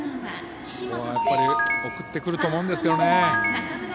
送ってくると思うんですけどね。